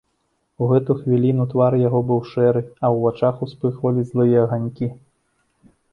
У гэту хвіліну твар яго быў шэры, а ў вачах успыхвалі злыя аганькі.